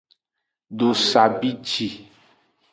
Dosa bi ji.